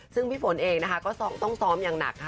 ซึ่งพี่ฝนเองนะคะก็ต้องซ้อมอย่างหนักค่ะ